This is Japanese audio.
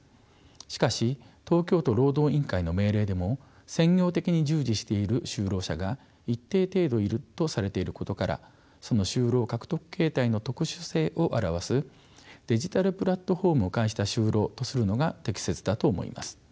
しかし東京都労働委員会の命令でも専業的に従事している就労者が一定程度いるとされていることからその就労獲得形態の特殊性を表す「デジタルプラットフォームを介した就労」とするのが適切だと思います。